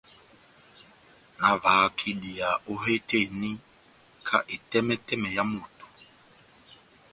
Nahavahak' idiya ó hé tɛ́h eni ka etɛmɛtɛmɛ yá moto.